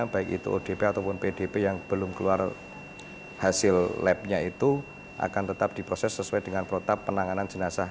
baik itu odp ataupun pdp yang belum keluar hasil labnya itu akan tetap diproses sesuai dengan protap penanganan jenazah